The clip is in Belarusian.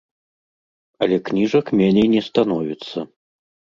Але кніжак меней не становіцца.